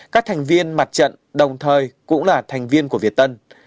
các thành viên mặt trận đồng thời cũng là thành viên của việt tân